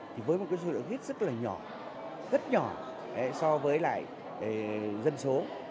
thì với một cái số lượng rất là nhỏ rất nhỏ so với lại dân số